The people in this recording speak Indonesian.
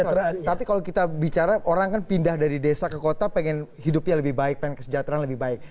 tapi kalau kita bicara orang kan pindah dari desa ke kota pengen hidupnya lebih baik pengen kesejahteraan lebih baik